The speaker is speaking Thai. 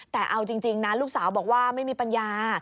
แต่เอาจริงนะลูกสาวบอกว่าไม่มีปัญญา